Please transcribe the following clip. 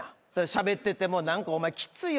しゃべってても「何かお前きついよな」